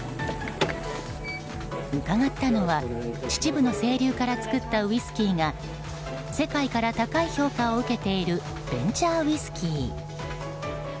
伺ったのは秩父の清流から作ったウイスキーが世界から高い評価を受けているベンチャーウイスキー。